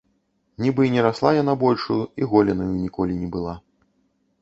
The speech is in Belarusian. Нібы і не расла яна большаю, і голенаю ніколі не была.